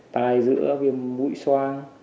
tai giữa viêm mũi xoa